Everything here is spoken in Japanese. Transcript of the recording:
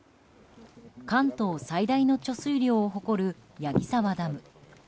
関東最大の貯水量を誇る矢木沢ダム。